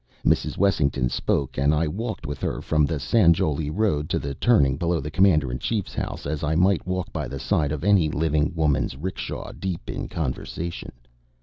Mrs. Wessington spoke and I walked with her from the Sanjowlie road to the turning below the Commander in Chief's house as I might walk by the side of any living woman's 'rickshaw, deep in conversation.